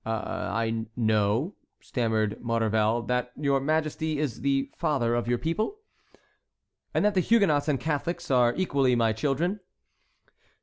"I know," stammered Maurevel, "that your Majesty is the father of your people." "And that the Huguenots and Catholics are equally my children?"